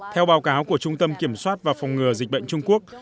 theo báo cáo của trung tâm kiểm soát và phòng ngừa dịch bệnh trung quốc